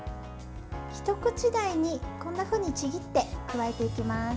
一口大に、こんなふうにちぎって加えていきます。